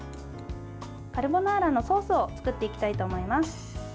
カルボナーラのソースを作っていきたいと思います。